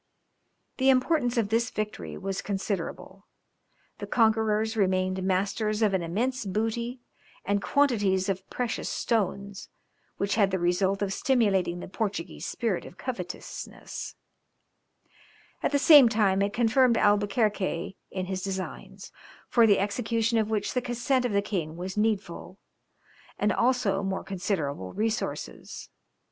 The importance of this victory was considerable; the conquerors remained masters of an immense booty and quantities of precious stones, which had the result of stimulating the Portuguese spirit of covetousness; at the same time it confirmed Albuquerque in his designs, for the execution of which the consent of the king was needful, and also more considerable resources.